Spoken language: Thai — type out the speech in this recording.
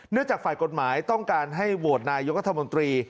เนื่องจากฝ่ายกฎหมายต้องการให้โหวดนายกฎมตรี